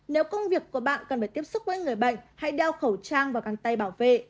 nếu công việc của bạn cần phải tiếp xúc với người bệnh hãy đeo khẩu trang và găng tay bảo vệ